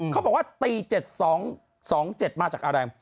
เขาบอกว่าตี๗๒๗มาจากอะไร